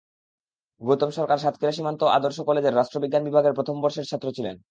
গৌতম সরকার সাতক্ষীরা সীমান্ত আদর্শ কলেজের রাষ্ট্রবিজ্ঞান বিভাগের প্রথম বর্ষের ছাত্র ছিলেন।